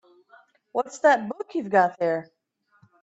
What's that book you've got there?